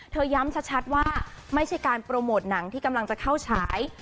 ย้ำชัดว่าไม่ใช่การโปรโมทหนังที่กำลังจะเข้าฉาย